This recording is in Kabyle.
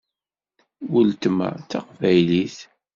Weltma d taqbaylit.